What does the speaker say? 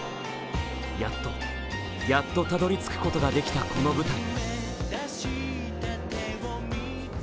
やっと、やっとたどり着くことができたこの舞台。